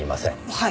はい。